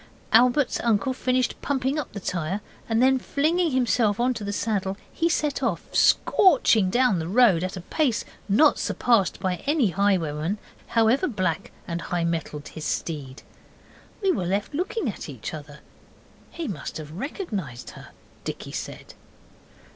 Albert's uncle finished pumping up the tyre, and then flinging himself into the saddle he set off, scorching down the road at a pace not surpassed by any highwayman, however black and high mettled his steed. We were left looking at each other. 'He must have recognized her,' Dicky said.